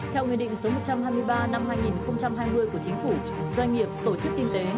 theo nghị định số một trăm hai mươi ba năm hai nghìn hai mươi của chính phủ doanh nghiệp tổ chức kinh tế